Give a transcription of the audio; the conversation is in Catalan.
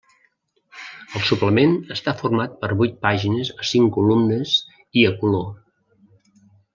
El suplement està format per vuit pàgines a cinc columnes i a color.